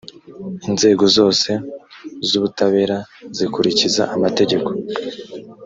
inzego zose zubutabera zikurikiza amategeko